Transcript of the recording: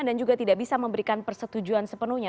dan juga tidak bisa memberikan persetujuan sepenuhnya